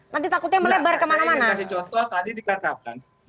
nanti takutnya melebar kemana mana